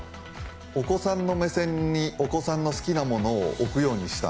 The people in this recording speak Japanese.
お子さんの目線にお子さんの好きなものを置くようにした。